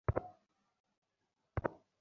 আমি তার স্বামীকে চিনি না।